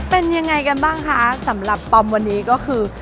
เป็นยังไงกันบ้างคะสำหรับปอมวันนี้ก็คือ